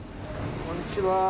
こんにちは。